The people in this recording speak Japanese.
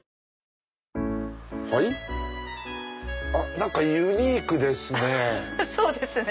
何かユニークですね。